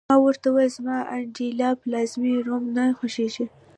ما ورته وویل: زما د ایټالیا پلازمېنه، روم نه خوښېږي.